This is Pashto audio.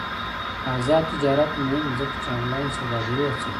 آزاد تجارت مهم دی ځکه چې آنلاین سوداګري هڅوي.